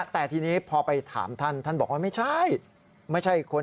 แต่ทีนี้พอไปถามท่านท่านบอกว่าไม่ใช่